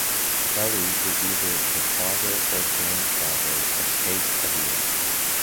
Beli was the either the father or grandfather of Saint Edeyrn.